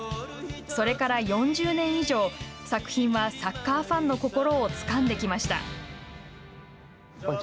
それから４０年以上作品はサッカーファンの心をつかんできました。